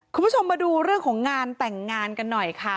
คุณผู้ชมมาดูเรื่องของงานแต่งงานกันหน่อยค่ะ